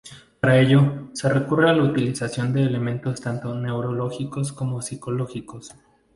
Para ello se recurre a la utilización de elementos tanto neurológicos como psicológicos.